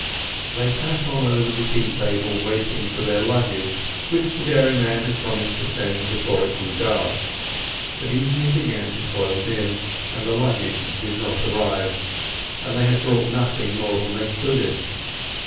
They sat on over the tea table waiting for their luggage, which the dairyman had promised to send before it grew dark. But evening began to close in, and the luggage did not arrive, and they had brought nothing more than they stood in.